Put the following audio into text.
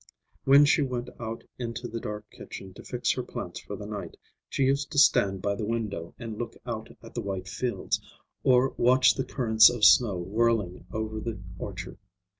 When she went out into the dark kitchen to fix her plants for the night, she used to stand by the window and look out at the white fields, or watch the currents of snow whirling over the orchard.